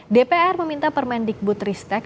dpr meminta permendikbud ristek